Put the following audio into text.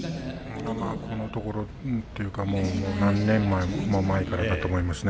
このところというか何年も前からだと思いますね。